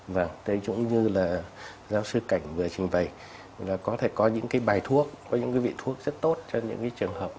vâng tôi cũng như là giáo sư cảnh vừa trình bày là có thể có những cái bài thuốc có những cái vị thuốc rất tốt cho những cái trường hợp